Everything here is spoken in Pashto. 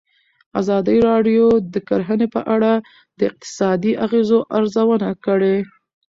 ازادي راډیو د کرهنه په اړه د اقتصادي اغېزو ارزونه کړې.